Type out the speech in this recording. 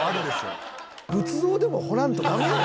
仏像でも彫らんとダメやろ。